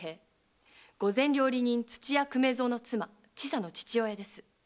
御膳料理人・土屋粂蔵の妻・千佐の父親です。